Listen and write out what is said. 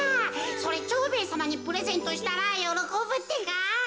それ蝶兵衛さまにプレゼントしたらよろこぶってか。